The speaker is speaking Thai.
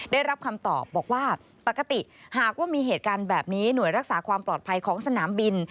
ได้รับคำตอบบอกว่าปกติหากว่ามีเหตุการณ์แบบนี้หน่วยรักษาความปลอดภัยของสนามบิน